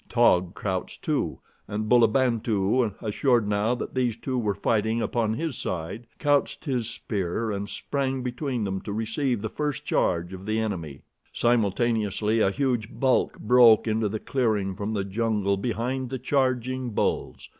Taug crouched, too, and Bulabantu, assured now that these two were fighting upon his side, couched his spear and sprang between them to receive the first charge of the enemy. Simultaneously a huge bulk broke into the clearing from the jungle behind the charging bulls.